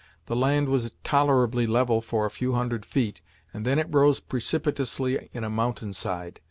The land was tolerably level for a few hundred feet, and then it rose precipitously in a mountainside.